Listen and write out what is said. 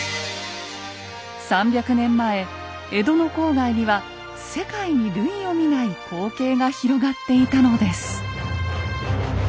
３００年前江戸の郊外には世界に類を見ない光景が広がっていたのです。